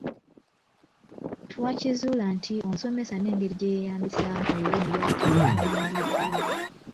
Twakizuula nti omusomesa n’engeri gye yeeyambisaamu Olulimi byali tebitunuuliddwa.